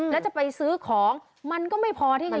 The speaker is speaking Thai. แล้วจะไปซื้อของมันก็ไม่พอที่ไง